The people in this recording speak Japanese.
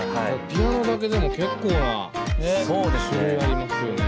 ピアノだけでも結構な種類ありますよね。